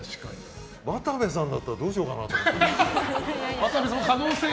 渡部さんだったらどうしようかなと思って。